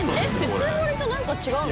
普通盛りと何か違うの？